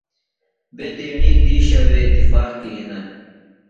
بےۡ تیݨی دِیشہ وے اتفاق کی ہِنہ۔